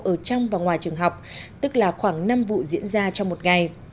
ở trong và ngoài trường học tức là khoảng năm vụ diễn ra trong một ngày